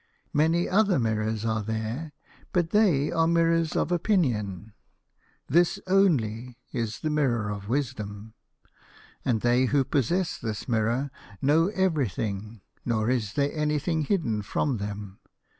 Many other mirrors are there, but they are mirrors of Opinion. This 95 A HoiLse of Pomegranates. only is the Mirror of Wisdom. And they who possess this mirror know everything, nor is there anything hidden from them.